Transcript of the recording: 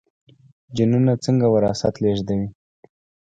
جینونه څنګه وراثت لیږدوي؟